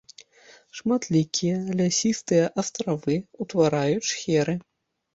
Шматлікія лясістыя астравы ўтвараюць шхеры.